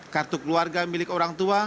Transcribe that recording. kartu keluarga milik orang tua